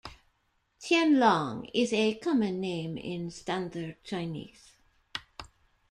Tianlong is a common name in Standard Chinese.